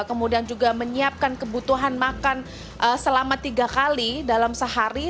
kemudian juga menyiapkan kebutuhan makan selama tiga kali dalam sehari